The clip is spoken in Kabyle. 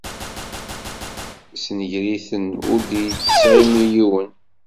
Ssenger-iten ur d-ittɣimi yiwen.